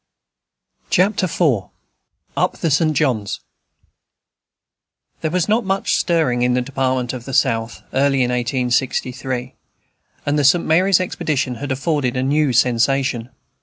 Chapter 4. Up the St. John's There was not much stirring in the Department of the South early in 1863, and the St. Mary's expedition had afforded a new sensation.